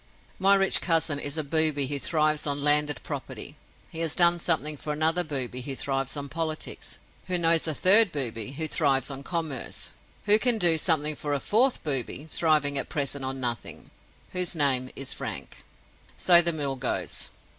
My rich cousin is a booby who thrives on landed property; he has done something for another booby who thrives on Politics, who knows a third booby who thrives on Commerce, who can do something for a fourth booby, thriving at present on nothing, whose name is Frank. So the mill goes.